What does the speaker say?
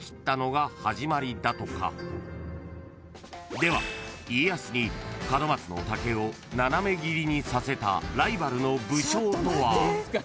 ［では家康に門松の竹を斜め切りにさせたライバルの武将とは？］